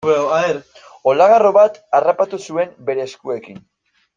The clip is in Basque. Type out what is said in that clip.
Olagarro bat harrapatu zuen bere eskuekin.